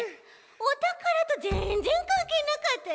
おたからとぜんぜんかんけいなかったち。